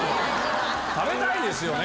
食べたいですよね。